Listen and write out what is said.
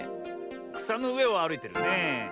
くさのうえをあるいてるねえ。